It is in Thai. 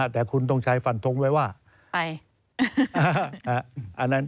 แต่คุณต้นชายฝั่นทรงไว้ว่า